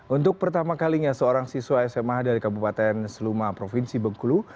untuk pertama kalinya seorang siswa sma dari kabupaten seluma provinsi bengkulu